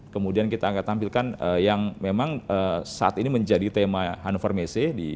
kemudian kita akan tampilkan yang memang saat ini menjadi tema hannover messe